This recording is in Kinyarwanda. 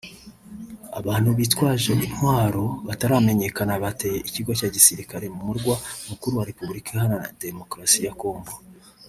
Abantu bitwaje intwaro bataramenyekana bateye ikigo cya gisirikare mu murwa mukuru wa Repubulika Iharanira Demokarasi ya Congo